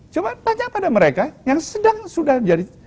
coba tanya pada mereka yang sedang sudah jadi